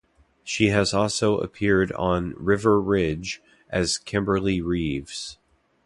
She has also appeared on "River Ridge" as Kimberly Reeves.